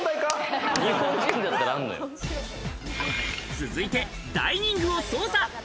続いてダイニングを捜査。